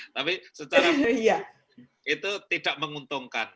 tapi secara itu tidak menguntungkan